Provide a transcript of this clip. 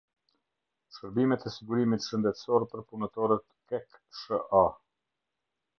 Shërbimet e sigurimit shëndetësor për punëtoret kek sh.a.